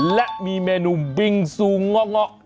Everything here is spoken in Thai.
และมีเมนูบิงซูเงาะ